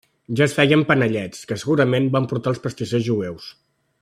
Ja es feien panellets, que segurament van portar els pastissers jueus.